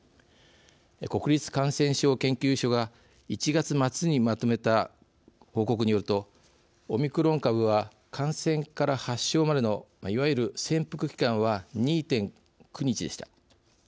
国立感染症研究所が１月末にまとめた報告によるとオミクロン株は感染から発症までのいわゆる潜伏期間は２．９日でした。